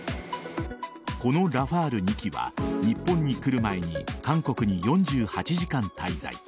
このラファール２機は日本に来る前に韓国に４８時間滞在。